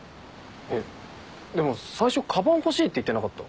えっでも最初かばん欲しいって言ってなかった？